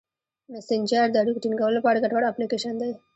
مسېنجر د اړیکو ټینګولو لپاره ګټور اپلیکیشن دی.